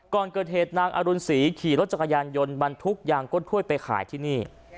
ก่อนเกิดเหตุนางอรุณศรีขี่รถจักรยานยนต์บรรทุกยางก้นถ้วยไปขายที่นี่